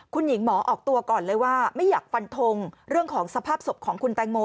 คุณหญิงหมอออกตัวก่อนเลยว่าไม่อยากฟันทงเรื่องของสภาพศพของคุณแตงโม